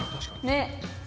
ねっ。